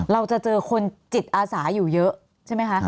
เราจะเจอคนจิตอาสาอยู่เยอะใช่ไหมคะ